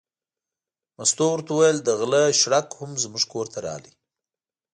مستو ورته وویل: د غله شړک هم زموږ کور ته راغی.